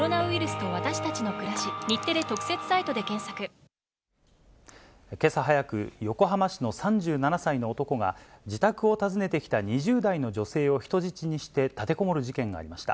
１日の感染者が土曜日に２００人を下回るのは、けさ早く、横浜市の３７歳の男が、自宅を訪ねてきた２０代の女性を人質にして立てこもる事件がありました。